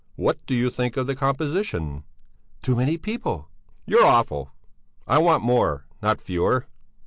What do you think of the composition?" "Too many people!" "You're awful! I want more, not fewer."